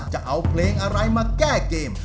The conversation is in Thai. จะเอาเพลงอะไรมาแก้เกม